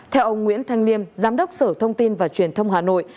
theo ông nguyễn thanh liêm giám đốc sở thông tin và truyền thông hà nội